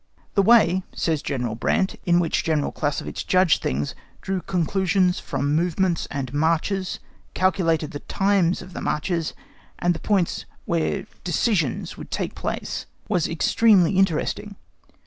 "The way," says General Brandt, "in which General Clausewitz judged of things, drew conclusions from movements and marches, calculated the times of the marches, and the points where decisions would take place, was extremely interesting.